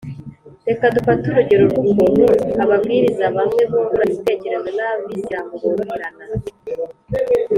Reka dufate urugero rw ukuntu ababwiriza bamwe bungurana ibitekerezo n Abisilamu boroherana